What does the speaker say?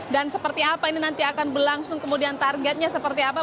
dan seperti apa ini nanti akan berlangsung kemudian targetnya seperti apa